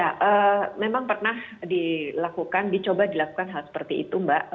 ya memang pernah dilakukan dicoba dilakukan hal seperti itu mbak